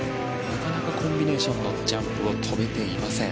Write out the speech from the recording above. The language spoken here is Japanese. なかなかコンビネーションのジャンプを跳べていません。